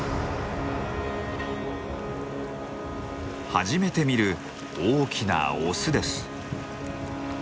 初めて見る大きなオスです。